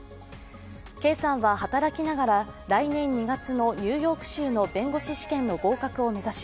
圭さんは働きながら来年２月のニューヨーク州の弁護士試験の合格を目指し、